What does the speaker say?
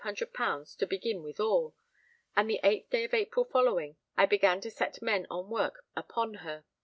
_ to begin withal, and the 8th day of April following I began to set men on work upon her.